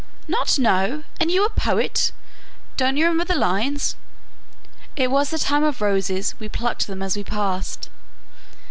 "Not know, and you a poet? Don't you remember the lines It was the time of roses, We plucked them as we passed?"